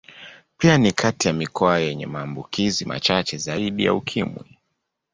Pia ni kati ya mikoa yenye maambukizi machache zaidi ya Ukimwi.